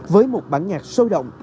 với một bản nhạc sôi động